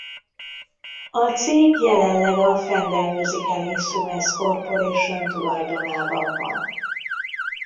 A cég jelenleg a Fender Musical Instruments Corporation tulajdonában van.